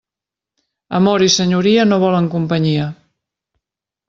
Amor i senyoria no volen companyia.